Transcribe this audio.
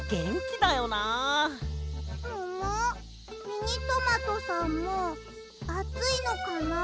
ミニトマトさんもあついのかな？